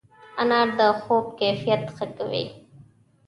انار د خوب کیفیت ښه کوي.